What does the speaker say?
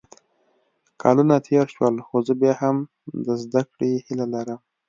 کلونه تېر شول خو زه بیا هم د زده کړې هیله لرم